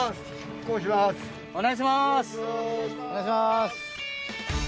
お願いします！